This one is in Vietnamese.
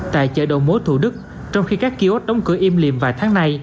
tại chợ đầu mối thủ đức trong khi các kiosk đóng cửa im liềm vài tháng nay